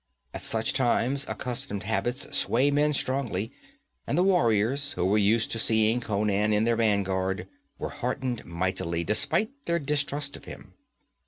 At such times accustomed habits sway men strongly, and the warriors, who were used to seeing Conan in their vanguard, were heartened mightily, despite their distrust of him.